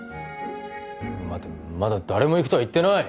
待てまだ誰も行くとは言ってない！